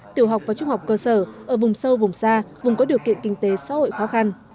tiểu học và trung học cơ sở ở vùng sâu vùng xa vùng có điều kiện kinh tế xã hội khó khăn